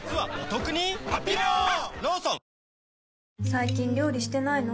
最近料理してないの？